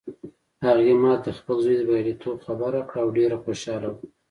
هغې ما ته د خپل زوی د بریالیتوب خبر راکړ او ډېره خوشحاله وه